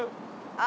あ。